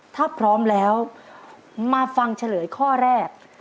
ถ้าพร้อมแล้วมาฟังเฉลยข้อแรก